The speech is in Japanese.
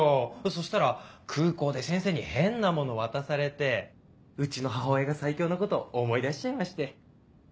そしたら空港で先生に変なもの渡されてうちの母親が最強なこと思い出しちゃいまして。